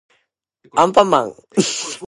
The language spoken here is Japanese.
あんぱんまん